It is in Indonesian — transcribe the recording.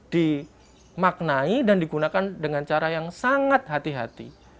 dimaknai dan digunakan dengan cara yang sangat hati hati